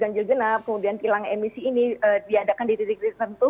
ganjil genap kemudian kilang emisi ini diadakan di titik titik tertentu